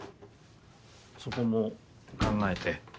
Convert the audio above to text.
そこも考えて。